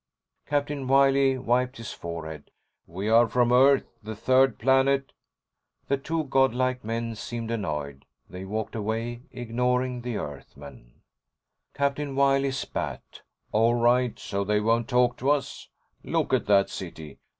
Captain Wiley wiped his forehead. "We are from Earth, the third planet...." The two god like men seemed annoyed. They walked away, ignoring the Earthmen. Captain Wiley spat. "All right, so they won't talk to us. Look at that city!